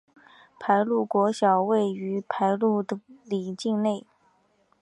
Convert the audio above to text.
排路国小位于排路里境内。